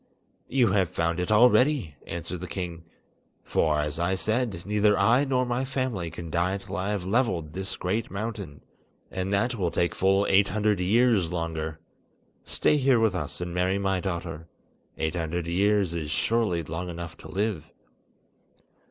"You have found it already," answered the king, "for, as I said, neither I nor my family can die till I have levelled this great mountain; and that will take full eight hundred years longer. Stay here with us and marry my daughter. Eight hundred years is surely long enough to live."